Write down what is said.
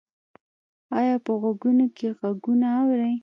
ایا په غوږونو کې غږونه اورئ؟